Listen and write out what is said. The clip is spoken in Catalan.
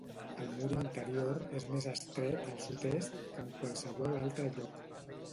El mur interior és més estret al sud-est que en qualsevol altre lloc.